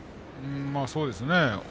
そうですね。